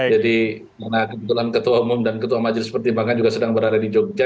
jadi karena ketua umum dan ketua majelis pertimbangan juga sedang berada di jogja